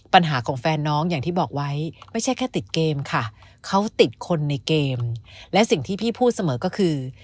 ปัญหาของแฟนน้องอย่างที่บอกไว้ไม่ใช่แค่ติดเกมค่ะเขาติดคนในเกมและสิ่งที่พี่พูดเสมอก็คือ